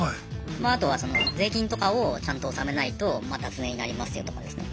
あとは税金とかをちゃんと納めないと脱税になりますよとかですね。